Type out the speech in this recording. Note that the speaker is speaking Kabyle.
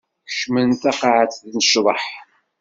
Kecmen taqaɛet n ccḍeḥ.